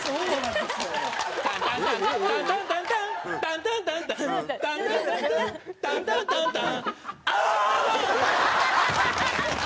「タンタンタンタンタンタンタンタン」「タンタンタンタンタンタンタンタン」「タンタンタンタン」アアーン！